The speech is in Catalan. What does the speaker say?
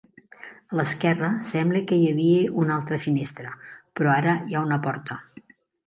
A l'esquerra sembla que hi havia una altra finestra, però ara hi ha una porta.